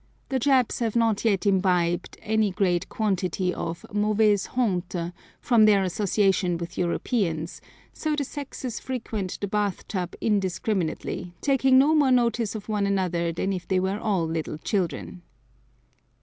The Japs have not yet imbibed any great quantity of mauvaise honte from their association with Europeans, so the sexes frequent the bath tub indiscriminately, taking no more notice of one another than if they were all little children.